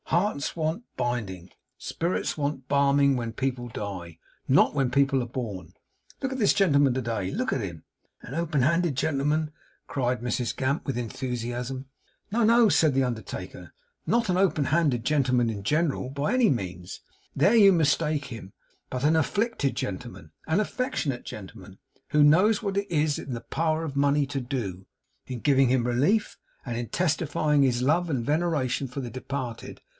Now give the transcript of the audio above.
Hearts want binding, and spirits want balming when people die; not when people are born. Look at this gentleman to day; look at him.' 'An open handed gentleman?' cried Mrs Gamp, with enthusiasm. 'No, no,' said the undertaker; 'not an open handed gentleman in general, by any means. There you mistake him; but an afflicted gentleman, an affectionate gentleman, who knows what it is in the power of money to do, in giving him relief, and in testifying his love and veneration for the departed.